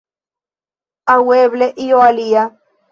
Aŭ eble io alia.